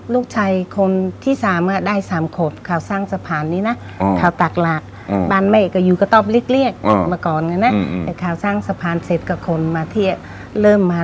รุกชัยคนที่ที่สามาได้สามโคตรขาวสั้นสะพานนี้นะ